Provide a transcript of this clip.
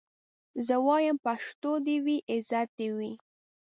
زه وايم پښتو دي وي عزت دي وي